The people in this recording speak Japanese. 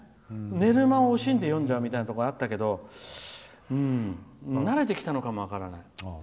寝る間を惜しんで読んじゃうみたいなところがあったけど慣れてきたのかも分からない。